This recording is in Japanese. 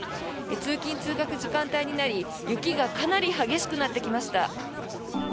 通勤・通学時間帯になり雪がかなり激しくなってきました。